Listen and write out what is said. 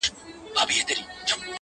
لکه د تللیو زړو یارانو -